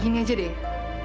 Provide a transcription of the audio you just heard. gini aja deh